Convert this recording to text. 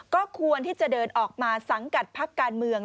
ก็ควรที่จะเดินออกมาสังกัดพักการเมือง